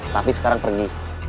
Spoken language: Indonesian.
tapi sekarang pergi